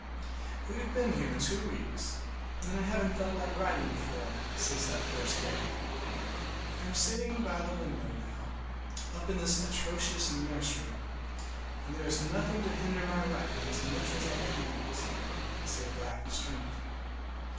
We have been here two weeks, and I haven't felt like writing before, since that first day. I am sitting by the window now, up in this atrocious nursery, and there is nothing to hinder my writing as much as I please, save lack of strength.